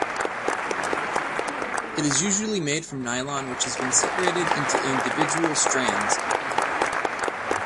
It is usually made from nylon which has been separated into individual strands.